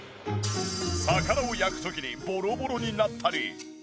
魚を焼く時にボロボロになったり。